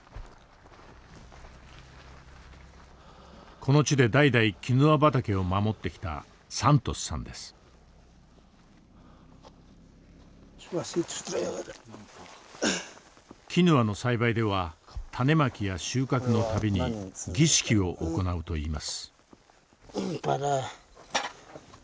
この地で代々キヌア畑を守ってきたキヌアの栽培では種まきや収穫の度に儀式を行うといいます。